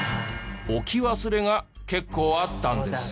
置き忘れが結構あったんです。